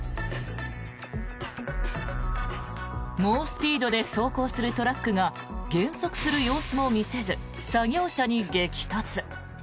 猛スピードで走行するトラックが減速する様子も見せず作業車に激突。